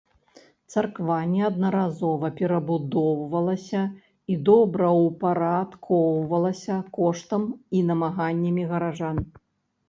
Царква неаднаразова перабудоўвалася і добраўпарадкоўвалася коштам і намаганнямі гараджан.